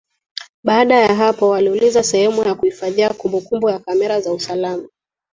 Baada ya hapo aliuliza sehemu ya kuhifadhia kumbukumbu ya kamera za usalama